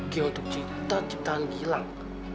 g untuk cinta ciptaan gilang